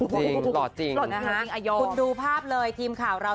หล่อจังเลยเป็นหนุ่มมาก